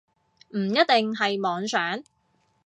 唔一定係妄想